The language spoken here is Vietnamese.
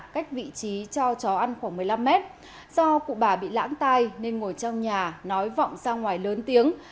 cách vị trí cho chó ăn khoảng một mươi năm mét do cụ bà bị lãng tai nên ngồi trong nhà nói vọng ra ngoài lớn tiếng